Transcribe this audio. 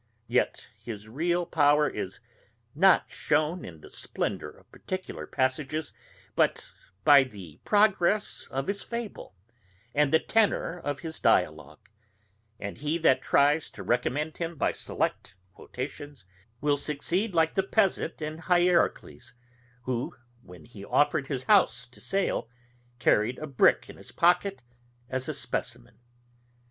Yet his real power is not shewn in the splendour of particular passages, but by the progress of his fable, and the tenour of his dialogue; and he that tries to recommend him by select quotations, will succeed like the pedant in Hierocles, who, when he offered his house to sale, carried a brick in his pocket as a specimen.